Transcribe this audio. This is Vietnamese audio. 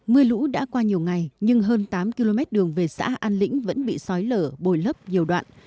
mưa lũ đã qua nhiều ngày nhưng hơn tám km đường về xã an lĩnh vẫn bị sói lở bồi lấp nhiều đoạn